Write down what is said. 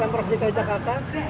pemprov dki jakarta